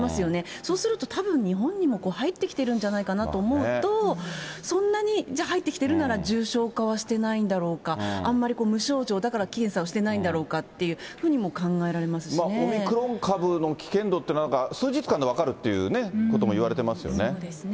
そうするとたぶん、日本にも入ってきてるんじゃないかなと思うと、そんなに、じゃあ、入ってきてるなら重症化はしてないんだろうか、あんまり無症状だから検査をしてないんだろうかと考えられますしオミクロン株の危険度って、なんか、数日間で分かるっていうね、こともいわれてますよね。